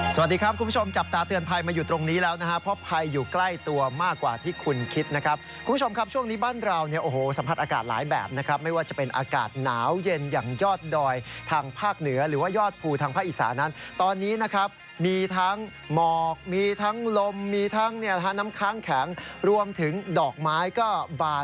สวัสดีครับคุณผู้ชมจับตาเตือนภัยมาอยู่ตรงนี้แล้วนะครับเพราะภัยอยู่ใกล้ตัวมากกว่าที่คุณคิดนะครับคุณผู้ชมครับช่วงนี้บ้านเราเนี่ยโอ้โหสัมผัสอากาศหลายแบบนะครับไม่ว่าจะเป็นอากาศหนาวเย็นอย่างยอดดอยทางภาคเหนือหรือว่ายอดภูทางภาคอีสานั้นตอนนี้นะครับมีทั้งหมอกมีทั้งลมมีทั้งน้ำค้างแข็งรวมถึงดอกไม้ก็บา